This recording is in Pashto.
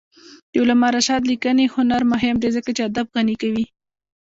د علامه رشاد لیکنی هنر مهم دی ځکه چې ادب غني کوي.